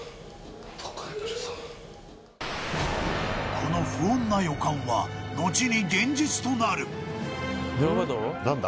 この不穏な予感はのちに現実となる何だ？